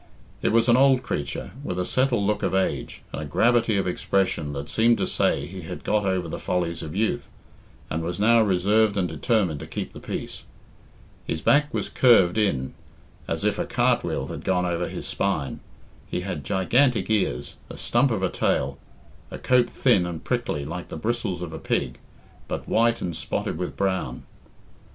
It was an old creature, with a settled look of age, and a gravity of expression that seemed to say he had got over the follies of youth, and was now reserved and determined to keep the peace. His back was curved in as if a cart wheel had gone over his spine, he had gigantic ears, a stump of a tail, a coat thin and prickly like the bristles of a pig, but white and spotted with brown.